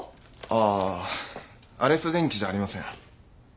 あアレス電機じゃありません。